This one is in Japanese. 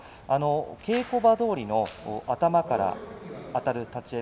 稽古場どおりの頭からあたる立ち合い